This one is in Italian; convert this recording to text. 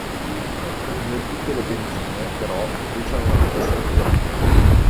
Non tutte le benzine, però, bruciano nella stessa misura.